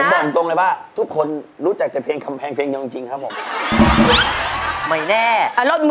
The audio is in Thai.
ผมบอกจริงเลยบ้าทุกคนรู้จักแต่เพลงคำแพงเพลงจริงครับผม